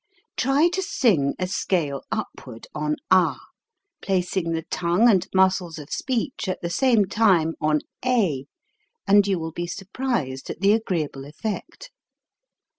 Try to sing a scale upward on ah, placing the tongue and muscles of speech at the same time on a, and you will be surprised at the agreeable effect.